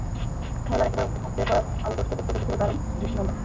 খেলার একেবারে অন্তিম মুহূর্তে করা রোনালদোর চতুর্থ গোলটি ছিল দারুণ দৃষ্টি নন্দন।